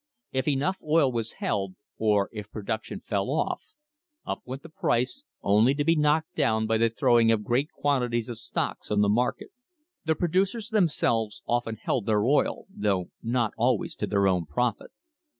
If enough oil was held, or if the production fell off, up went the price, only to be knocked down by the throwing of great quantities of stocks on the market. The producers themselves often held their oil, though not always to their own profit.